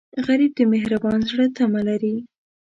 غریب د مهربان زړه تمه لري